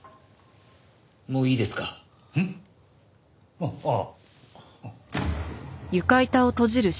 あっああ。